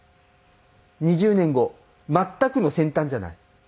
２０年後全くの先端じゃない。